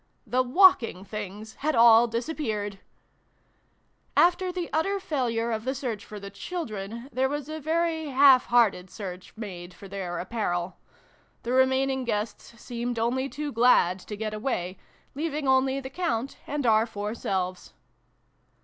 The walking things had all disappeared ! After the utter failure of the search for the children, there was a very half hearted search made for their apparel. The remaining guests seemed only too glad to get away, leaving only the Count and our four selves.